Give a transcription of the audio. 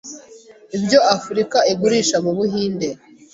ibyo Afurika igurisha mu Buhinde